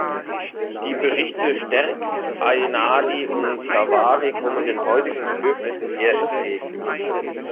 Die Berichte Sterckx, Ainardi und Savary kommen den heutigen Bedürfnissen eher entgegen.